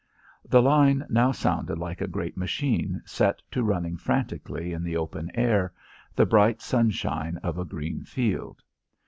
The line now sounded like a great machine set to running frantically in the open air, the bright sunshine of a green field.